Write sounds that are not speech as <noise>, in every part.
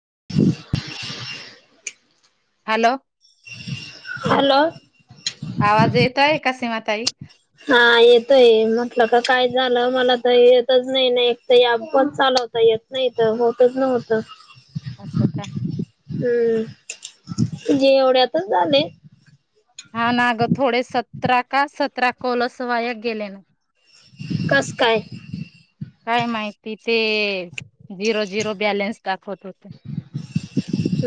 <inaudible> Hello! Hello. कसे आहेत ताई? हा येतोय म्हटलं का काय झालं, मला तर येतच नाही ना एक तर फोन चालू होता येत नाही इथं. होतच नव्हत. अस का? तुझे एवढ्याच झाले. हा ना ग थोडे सतरा का, सतरा कॉल्स वाय गेले ना. कस काय? काय माहिती ते झिरो-झिरो बॅलन्स दाखवत होते.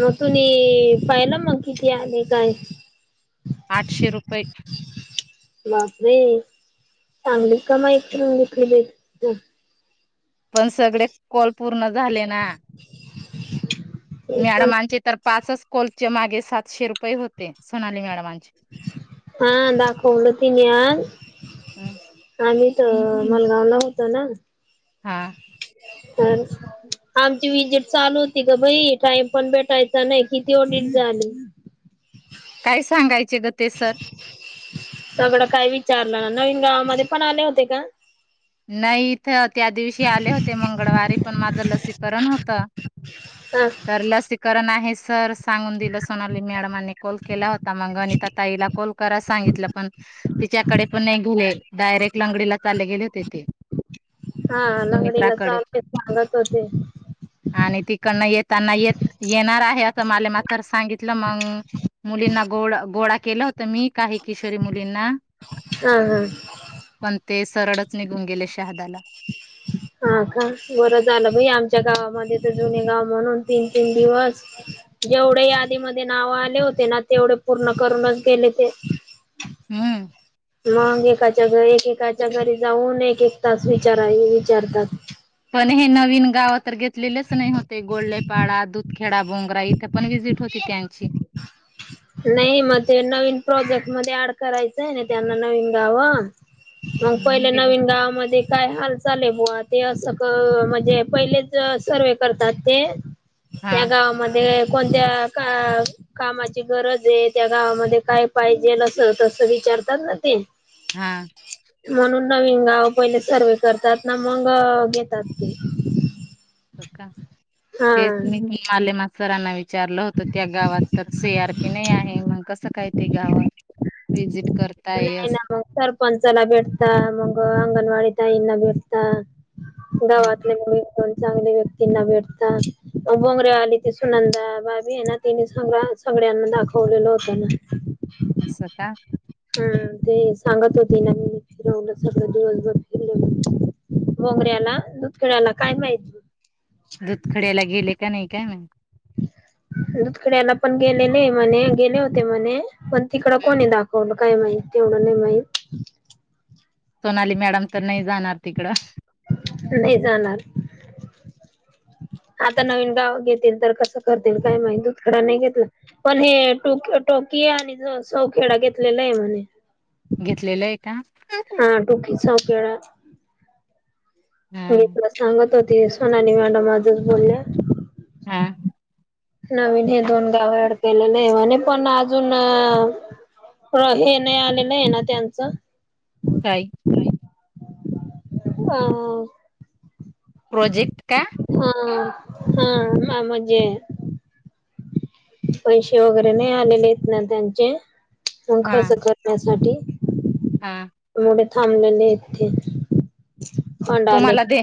मग तुने पाहिलं मग किती आले काय.? आठशे रुपये बापरे चांगली कमाई करून घेतलेली की तू. पण सगळे कॉल पूर्ण झाले ना. ते पण मॅडमांचे तर, पाचच कॉलचे मागे सातशे रुपये होते, सोनाली मॅडमांचे. हा दाखवल तीने आज. हम् आम्ही तर मलगावला होतो ना. हा. अ आमची विजीट चालू होती ग भाई टाइम पण भेटायचा नाही किती ऑडिट झाली काय सांगायचे ग ते सर सगळ काय विचारलं ना नवीन गावामध्ये पण आले होते का नाही इथं त्या दिवशी आले होते मंगळवारी पण माझं लसीकरण होत हा तर लसीकरण आहे सर सांगून दिलं सोनाली मॅडमांनी कॉल केला होता मगंगनी तर ताईला कॉल करा सांगितलं पण तिच्याकडे पण नाही गेले डायरेक्ट लंगडीला चाले गेले होते ते हा लंगडीला सुमित्राकडे चालते सांगत होते आणि तिकडन येत त्यांना य येणार आहे असं मला मा त्र सांगित मग मुलींना गोड गोळा केलं होत मी काही किशोरी मुलींना हम हम् पण ते सरळच निघून गेले शहादाला हा का बरं झालं भई आमच्या गावामध्ये तर जुने गाव म्हणून तीन तीन दिवस जेवढे यादीमध्ये नाव आले होते ना तेवढे पूर्ण करूनच गेले ते हम्म मग एकाच्या घ एकेकाच्या घरी जाऊन एक एक तास विचारा विचारतात पण हे नवीन गाव तर घेतलेलेच नाही होते गोल्लेपाड दुध खेडा बोंगरा इथे पण वि्हजिट होती त्यांची नाही मग ते नवीन प्रोजेक्ट मध्ये ऍड करायचंय ना त्यांना नवीन गावं मग पहिल्या नवीन गावामध्ये काय हालचा चाले बु ते असं म्हणजे पहिलेच सर्वे करतात ते हा या गावामध्ये कोणत्या कामा गरज आहे त्या गावामध्ये काय पाहिजे अस तस विचारतात ना ते हा म्हणून नवीन गाव पहिले सर्वे करतात ना मग घेतात ते हो का हा तेच मीले मसरना विचारलं होत त्या गावात सी आर पी नाही आहे मग कस काही ते गाव वि्हजिट करत नाही ना मग सरपंचाला भेटता मग अंगणवाडी ताईंना भेटता गावातले मी चांगले व्यक्तींना भेटता मग बोंगरे आली ती सुनंदा बाबी आहे ना तिने सांग सगळ्यांना दाखवलेलं होतं ना अस का हम ते सांगत होती ना मी फिरवलं सगळं दिवसभर फिरलं बोंगऱ्याला दुधखेळ्याला काय माहित दुधखड्याला गेले का नाही काय नाही. दुधखड्याला पण गेलेले म्हणे गेले होते म्हणे पण तिकडं कोणी दाखवलं काय माहित तेवढं नाही माहित. सोनाली मॅडम तर नाही जाणार तिकडं. नाही जाणार. आता नवीन गाव घेतील तर कसं करतील काय माहित दुधखडा नाही घेतील पण हे टोक टोक की आणि सौ खेडा घेतलेला आहे म्हणे. घेतलेलं आहे का? खेळात हा घेतला सांगत होती सोनाली मॅडम आजच बोलल्या. हा नवीन हे दोन गाव अडकलेले आहे म्हणुन पण अजून हे नाही आलेलं नाही ना त्यांचं काय? हा प्रोजेक्ट का? हा हा मा म्हणजे पैसे वगैरे नाही आलेले आहेत ना त्यांचे. हा खर्च करण्यासाठी. हा मुळे थांबलेले इथे. तुम्हाला दे.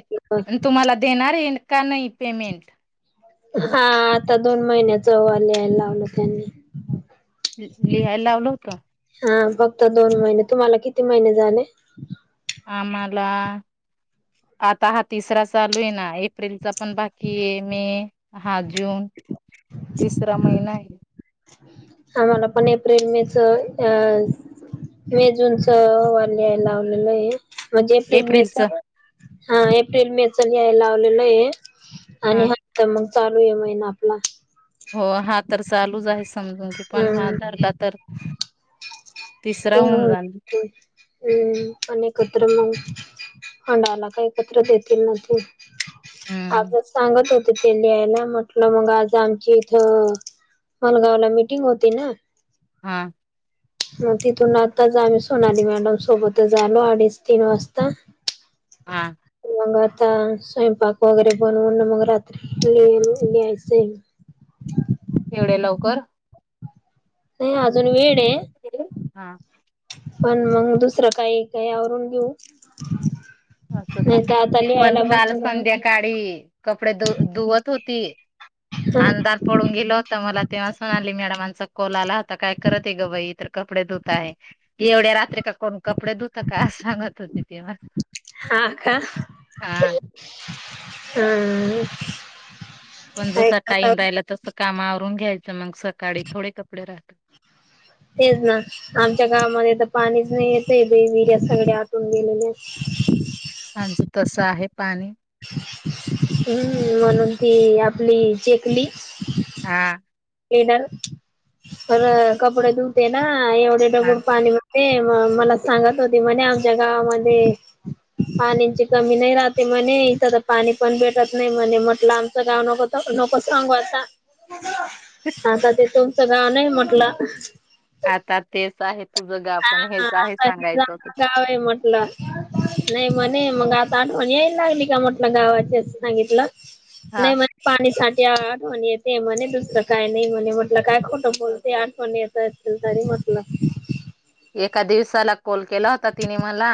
आणि तुम्हाला देणार आहे का नाही पेमेंट? हा आता दोन महिन्याच वा लिहायला लावलं त्यांनी. लिहायला लावलं होत. हा फक्त दोन महिने, तुम्हाला किती महिने झाले? आम्हाला आता हा तिसरा चालू आहे ना. एप्रिलचा पण बाकी हे मे हा जून तिसरा महिना आहे. आम्हाला पण एप्रिल, मे च अ मे जुनच वा लिहाय लावलेलं आहे. म्हणजे एप्रिल मे एप्रिलच च. हा एप्रिल मे च लिहाय लावलेलं आहे. आणि हा तर मग चालू आहे महिना आपला. हो हा तर चालूच आहे समजून घे. पण हा हम्म धरला तर तिसरा ते होऊन जान हम्म पण एकत्र मग हांडाला का एकत्र देतील ना ते. हम्म आपलं सांगत होते ते लियायला. म्हटलं मग आज आमची इथं मनगावला मिटिंग होती ना. हा मग तिथून आताच आम्ही सोनाली मॅडम सोबतच आलो. अडीच तीन वाजता. हा वंगात आता स्वयंपाक वगैरे बनवून मग रात्री लि लिहायच आहे. एवढ्या लवकर. नाही अजून वेळ आहे. हा पण मग दुसरं काही काही आवरून घेऊ. असं का, नाही तर आता मी पण लिहायला काल बसले संध्याकाळी कपडे धु धुवत होती. अंधार पडून गेला होता मला. तेव्हा सोनाली मॅडम चा काॅल आला होता. काय करत आहे गं बाई? तर कपडे धुत आहे, एवढ्या रात्री का कोण कपडे धुत का? अस सांगत होती ती म हा का हम्म पण जसा टाईम राहिला तसं काम आवरून घ्यायचं. मग सकाळी थोडे कपडे राह तेच ना आमच्या गावामध्ये तर पाणीच नाही येतय, बयी विर्या सगळ्या आटून गेलेल्या <inaudible> आमचं तस आहे पाणी. हम्म म्हणून ती आपली चेकली हा ह कपडे धुते ना एवढे हा डगुळ पाणी मध्ये. मला सांगत होती म्हणे आमच्या गावामध्ये पाणींची कमी नाही राहते म्हणे, इथं तर पाणी पण भेटत नाही म्हणे. म्हटलं आमचं गाव नको नको सांगू आता. आता ते तुमचं गाव नाही म्हटलं. आता तेच आहे तुझ गाव पण हा हेच आहे आता हे सांगायचं होतं. गाव आहे म्हटलं नाही म्हणे मग आता आठवण यायला लागली का म्हटलं गावाची असं सांगितलं. हा नाही म्हणे पाणी साठ- त्या आठवण येते म्हणे. दुसरं काय नाही म्हणे. म्हटलं काय खोटं बोलतेय. आठवणी येत असतील तरी <unintelligible> एका दिवसाला कॉल केला होता तिने मला,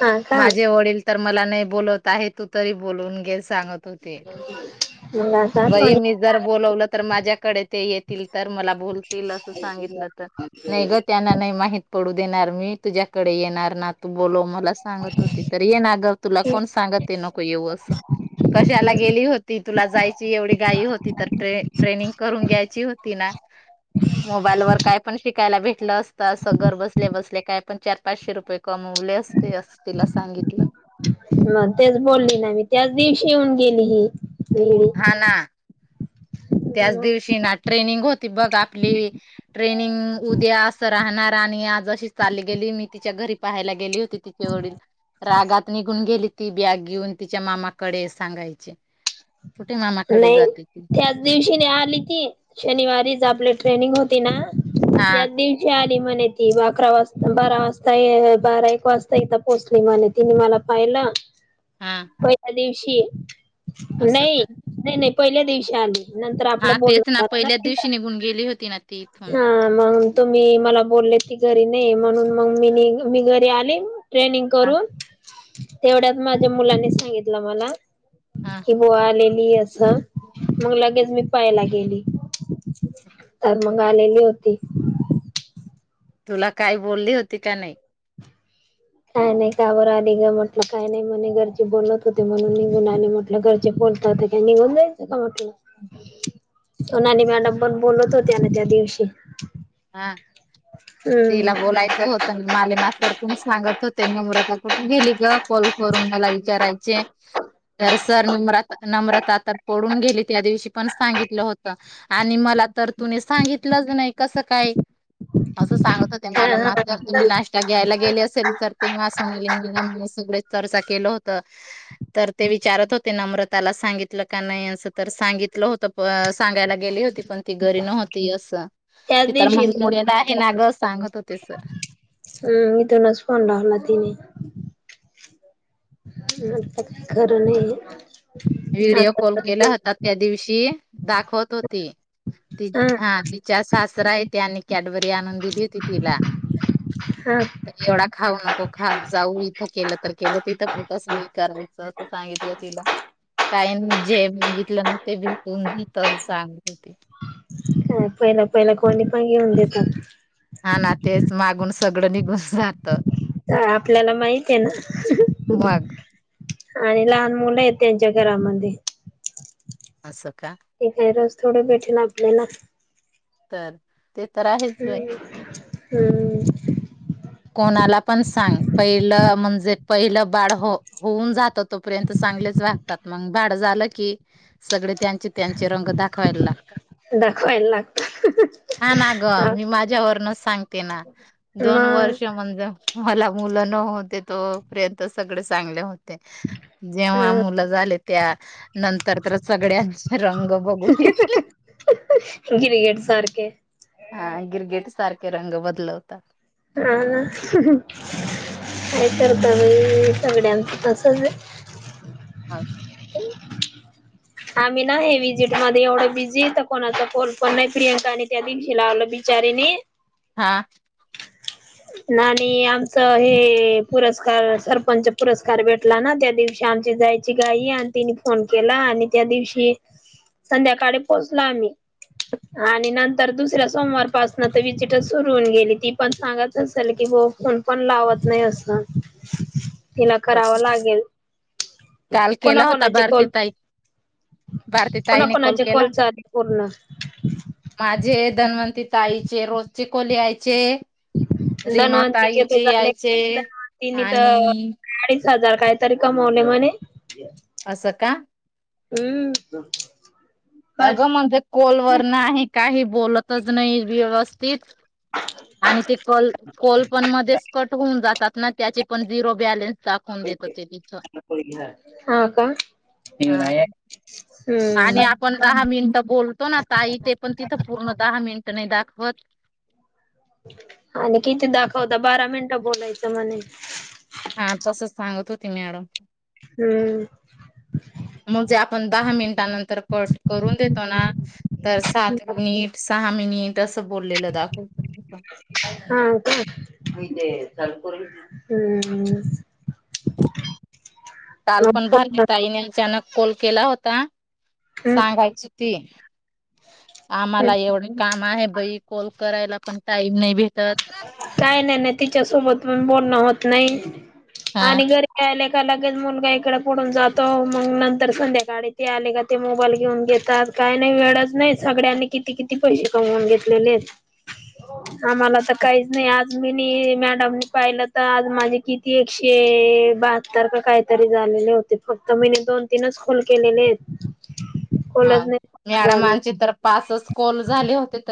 हा का माझे वडील- तर मला नाही बोलत आहे, तू तरी बोलून घे सांगत- मग आता <unintelligible> आठवण बई मी यायला जर लागली. बोलवलं तर माझ्याकडे ते येतील तर मला बोलतील अस, सांगितलं तर नाही ग त्यांना- माहीत देणार मी तुझ्याकडे येणार ना तू बोलव मला- सांगत होती तर ये ना ग तुला कोण सांगत नको येऊ असं, कशाला गेली होती तुला जायची, एवढी गाय होती तर ट्रेनिंग करून घ्यायची होती ना. मोबाईल वर काय पण शिकायला भेटलं अस- असं घर बसल्या बसल्या काय पण चार पाचशे रुपये कमवले असते अस तिला सांगितलं, मग तेच बोलली ना मी त्याच दिवशी येऊन गेली ही- वेगळी हा- ना त्याच मग दिवशी ना ट्रेनिंग होती बघ आपली- ट्रेनिंग उद्या असं राहणार आणि आज अशी चालली गेली, मी तिच्या घरी पाहायला गेली, तिचे वडील रागात निघून गेली, ती बॅग घेऊन तिच्या मामाकडे सांगायचे, कुठे मामाकडे नाही जाते ती, त्याच दिवशी आली ती शनिवारीच आपली ट्रेनिंग होती ना हा त्याच दिवशी आली. म्हणे ती अकरा वा बारा वाजता बारा एक वाजताथ पोहोचली म्ह ति मला पाहि- ना... हा पहिल्या दिवशी असं नाही, का नाही, नाही पहिल्या दिवशी आली. नंतर हा आपलं बोल तेच ना पहिल्याच दिवशी निघून गेली होती ना ती इथून. हा, मग तुम्ही मला बोल, घरी नाही म्हणून म म मी घरी आली ट्रेनंग करून- तेवढ्यात माझ्या मुलांनी सांगितलं मला हा की बो आलेली अस- मग लगेच मी- पयला गेली, तर मग आलेली होती. तुला काही बोलली होती का नाही? काय नाही कावर आध ग म्हटलं काय नाही म्हणे घरचे बोलत होते म्हणून निघून आले म्हटलं घरचे ब- <unintelligible> ोल का का म्हट सोनाली मॅडम पण बोलत होत्या ना त्या दिवशी- हा हम्म तिला बोलायचं होत माले मासर- सांगत हो त्यांनी मुृदा कुठून गेली ग... कॉल करून मला विचारायचे, तर सर नम्र नम्रताता पडून गेली त्या दिवशी पण सांगितलं होत आणि मला- तर तु सांगितलंच नाही कस? काय असं सांगत हो ते हा मला हा म जर तुम्ही नाश्ता घ्यायला, गेले असेल तर, तेी म्हणा सगळे चर्चा केलं होत तर ते विचारत होत- ते नम्रताला सांगितलं का नाही सांगितलं होत सांगायला गेली होती पण ती घरी नव- मती असं- त्याच ते तर दिवशी मग इथून मुला आहे ना ग सांगत होते सर हम् इथूनच फोन लावला तिने मग ते खरं नाही हा व्हिडिओ कॉल केला होता त्या दिवशी दाखवत होती त हा तिच्या सासरा येत आणि कॅडबरी आणून दिली होती तिला हा त एवढा खाऊ नको खा जाऊ इथं केलं तर केलं तिथं पण तसं स्वी कायचं असं सांगितलं तिला काही ना जे बघितलं ना ते बून सांगत होते पहिला पहिला कोणी पण घेऊन देतात हा ना तेच मागून सगळं निघून जात आपल्याला माहित आहे ना मग आणि लहान मुलं आहेत त्यांच्या घरामध्ये असं का हे काही रोज थोडस भेटील आपल्याला तर ते तर आहेच बाई. हम्म हम्म. कोणाला पण सांग पहिलं म्हणजे पहिलं बाळ होऊन जात तोपर्यंत स चांगलेच वागतात म बाड झालं की सगळे त्यांचे त्यांचे रंग दाखवायला लागतात. दाखवायला लागत हा ना ग मी माझ्यावरनच सांगते ना दोन द मग वर्ष म्हणजे मला मुलं न होते तो पर्यंत सगळे चांगले होते. जेव्हा मुलं झाले त्या नंतर तर सगळ्यांचे रंग बघून घेतले गिरगेट सारखे. हा गिरगेट सारखे रंग बदलवतात हा. काय करता बाई सगळ्यांचा असंच आहे. <unintelligible> आम्ही ना हे विजिट मध्ये एवढं बिझीेत कोणाचा फल पण नाही प्रियंका आणि त्या दिशी लावलं बीजी बिचारीने हा. आणि आमच हे पुरस्कार सरपंच पुरस्कार भेटला ना त्या दिवशी आ आमची जायची घाई आणि तिने फोन केला आणि त्या दिवशी संध्याकाळी पोहोचलो आम्ही. आणि नंतर दुसऱ्या सोमवारपासन तर विजिटच सुरु होऊन गेली ती पण सांगत असेल की फोन पण लावत नाही असं तिला करावं लागेल. काल केला होता कोणाकोणाचे कॉल भारतीताई भारती ताईने कॉल कोणाकोणाचे केला चाले पूर्ण माझे धन्वती ताईचे रोजचे कॉल यायचे धनवंतीचे तर रीमााताईचे झाले यायचे धनवंतीनी तर आणि अडीच हजार काहीतरी कमवणे म्हणे. असं का. हम्म. काय अगं म्हणजे कॉलवर नाही काही बोलतच नाही व्यवस्थित आणि ते कॉल मध्येच कट होऊन जातात. ना त्याची पण झिरो बॅलेन्स हा का. हा. आणि हम्म आपण दहा मिनिटं बोलतो ना ताई ते पण तिथं पूर्ण दहा मिनिट नाही दाख वत. आणि किती दाखवता बारा मिनटं बोलायचं म्हणे हा तसच सांगत होती मॅडम. हम्म. मगजे आपण दहा मिनिटानंतर कट करून देतो ना तर सात मिनिट सहा मिनिट अस बोललेलं दाखवत. हम्म. काल पण भरती ताईने अचानक कॉल केला होता हम्म सांगायची ती आम्हाला एवढे काम आहे बई कॉल करायला पण टाईम नाही भेटत. काय नाही नाही तिच्यासोबत पण बोलणं होत नाही. हा आणि घरीयला एका लगेच मुलगा इकड पडून जातो मग नंतर संध्याकाळी ते आले का ते मोबाईल घेऊन घेतात काही नाही वेळच नाही सगळ्यांनी किती किती पैसे कमवून घेतलेले आहेत. आम्हाला तर काहीच नाही आज मी नाही मॅडमनी पाहिलं तर आज माझे किती एकशे बहात्तर का काहीतरी झालं. होते फक्त मीने दोन तीनच कॉल केलेलेत. हा मॅडमांचे तर पासच कोल झाले होते तर